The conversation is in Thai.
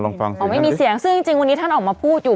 ฟังอ๋อไม่มีเสียงซึ่งจริงวันนี้ท่านออกมาพูดอยู่